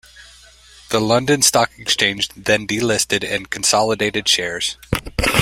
The London Stock Exchange then delisted the consolidated shares.